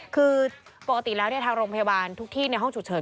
คือปกติแล้วทางโรงพยาบาลทุกที่ในห้องฉุกเฉิน